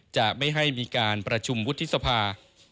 จะไม่ให้มีการประชุมวุฒิสภา